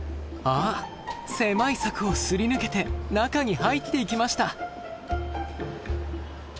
あっ狭い柵をすり抜けて中に入っていきました。